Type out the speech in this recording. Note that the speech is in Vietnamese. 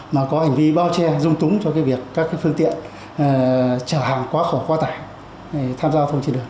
mà có hành vi bao che dung túng cho việc các phương tiện chở hàng quá khổ quá tải tham gia giao thông trên đường